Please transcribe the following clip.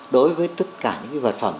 đối với tất cả những vật phẩm